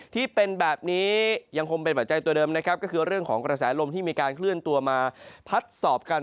ที่เป็นแบบนี้ยังคงเป็นปัจจัยตัวเดิมนะครับก็คือเรื่องของกระแสลมที่มีการเคลื่อนตัวมาพัดสอบกัน